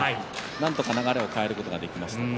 なんとか流れを変えることができました。